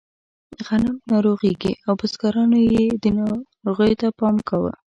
غنم ناروغېږي او بزګرانو یې ناروغیو ته پام کاوه.